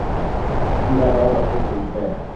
You have all the papers there.